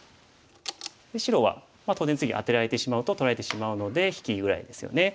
白は当然次アテられてしまうと取られてしまうので引きぐらいですよね。